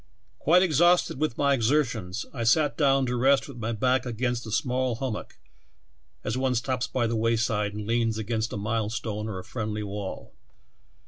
"Quite exhausted with my exertions, I sat down to rest with my back against a small hum mock, as one stops by the wayside and leans against a milestone or a friendly wall.